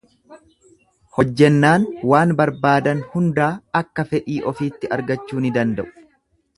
Hojjennaan waan barbaadan hundaa akka fedhii ofiitti argachuu ni danda'u.